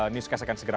newscast akan segera